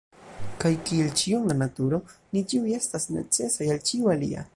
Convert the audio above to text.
Kaj, kiel ĉio en la Naturo, ni ĉiuj estas necesaj al ĉiu alia.